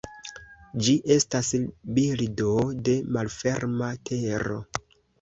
Ĝi estas birdo de malferma tero.